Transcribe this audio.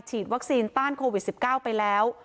ฉีดวัคซีนต้านโควิด๑๙ไปแล้ว